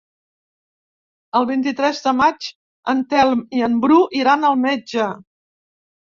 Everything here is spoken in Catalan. El vint-i-tres de maig en Telm i en Bru iran al metge.